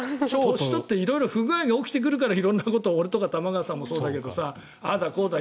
年取って色々不具合が起きてくるから色んなことを俺とか玉川さんもそうだけどああだこうだ